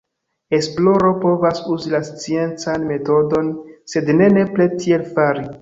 Esploro povas uzi la sciencan metodon, sed ne nepre tiel fari.